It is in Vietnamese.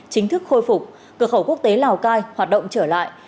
chính thức khôi phục cửa khẩu quốc tế lào cai hoạt động trở lại